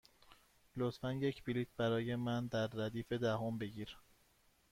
لطفا یک بلیط برای من در ردیف دهم بگیر.